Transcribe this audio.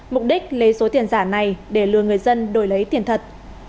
mục đích lấy số tiền giả này để lừa người dân đổi lấy tiền thật